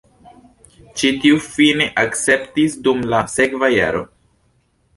Ĉi tiu fine akceptis dum la sekva jaro.